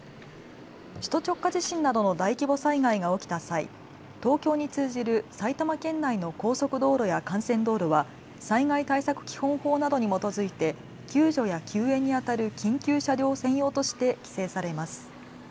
首都直下地震などの大規模災害が起きた際、東京に通じる埼玉県内の高速道路や幹線道路は災害対策基本法などに基づいて救助や救援にあたる緊急車両専用として規制されます。